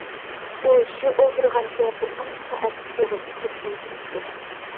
ئۇ شۇ ئولتۇرغانچە بىر قانچە سائەت سۇغا تىكىلىپ ئولتۇرۇپتۇ.